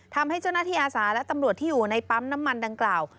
ทำให้เจ้าหน้าที่อาสาและตำรวจที่อยู่ในปั๊มน้ำมันดังกล่าว